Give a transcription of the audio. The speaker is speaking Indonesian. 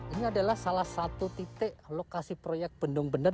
ini adalah salah satu titik lokasi proyek bendungan bener